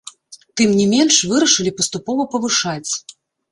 Тым не менш, вырашылі паступова павышаць.